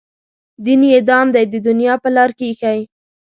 دین یې دام دی د دنیا په لار کې ایښی.